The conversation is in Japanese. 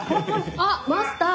あっマスター。